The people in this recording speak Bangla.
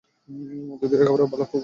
অতিথিরা খাবার ভালোই উপভোগ করছে।